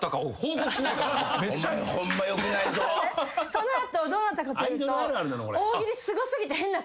その後どうなったかというと。